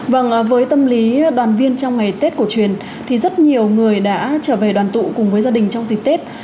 vâng với tâm lý đoàn viên trong ngày tết cổ truyền thì rất nhiều người đã trở về đoàn tụ cùng với gia đình trong dịp tết